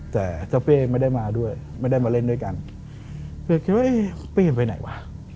แต่เจ้าเป้ไม่ได้มาเล่นด้วยกันเขาก็คิดว่าเอ้ยเป้จะไปไหนวะ